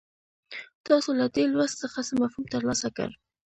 تاسو له دې لوست څخه څه مفهوم ترلاسه کړ.